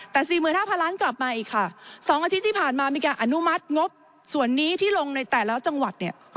แต่๔๕๐๐ล้านกลับมาอีกค่ะ๒อาทิตย์ที่ผ่านมามีการอนุมัติงบส่วนนี้ที่ลงในแต่ละจังหวัดเนี่ย